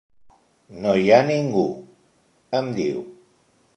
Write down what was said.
No hi ha ningú —em diu—.